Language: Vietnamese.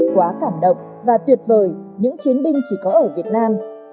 quá cảm động và tuyệt vời những chiến binh chỉ có ở việt nam